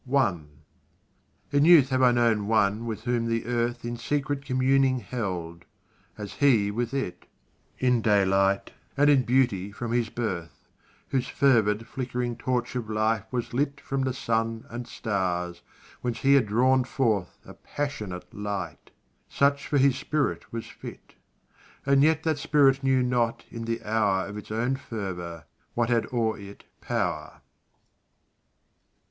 [BYRON, The Island.] I In youth have I known one with whom the Earth In secret communing held as he with it, In daylight, and in beauty from his birth: Whose fervid, flickering torch of life was lit From the sun and stars, whence he had drawn forth A passionate light such for his spirit was fit And yet that spirit knew not, in the hour Of its own fervor what had o'er it power.